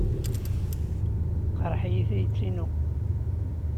Teqreḥ-iyi tayet-inu.